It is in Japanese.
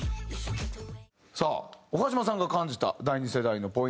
さあ岡嶋さんが感じた第２世代のポイント。